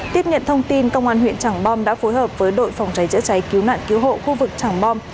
tiếp nhận thông tin công an huyện tràng bom đã phối hợp với đội phòng cháy chữa cháy cứu nạn cứu hộ khu vực tràng bom